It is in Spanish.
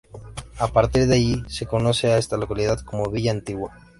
A partir de allí se conoce a esta localidad como Villa Antigua.